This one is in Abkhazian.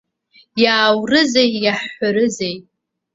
Иааурызеи, иаҳҳәарызеи!